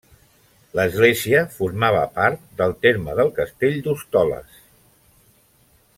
L'església formava part del terme del castell d'Hostoles.